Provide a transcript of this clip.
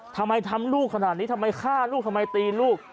ทำลูกขนาดนี้ทำไมฆ่าลูกทำไมตีลูก